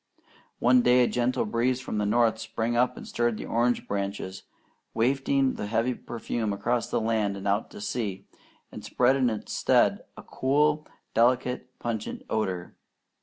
One day a gentle breeze from the north sprang up and stirred the orange branches, wafting the heavy perfume across the land and out to sea, and spread in its stead a cool, delicate, pungent odour.